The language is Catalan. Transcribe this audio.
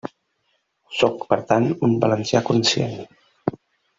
Sóc per tant un valencià conscient.